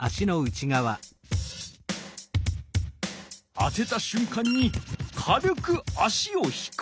当てたしゅん間に軽く足を引く。